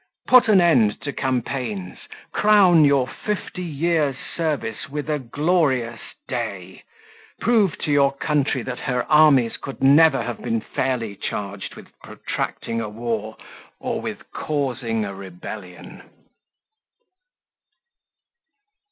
Put an end to campaigns; crown your fifty years' service with a glorious day; prove to your country that her armies could never have been fairly charged with protracting a war or with causing a rebellion."